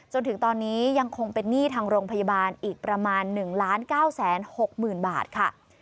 จนถึงตอนนี้ยังคงเป็นหนี้ทางโรงพยาบาลอีกประมาณ๑๙๖๐๐๐บาทค่ะ